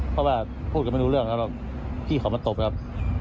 เพราะว่าพูดกันไม่รู้เรื่องครับพี่เขามาตบครับ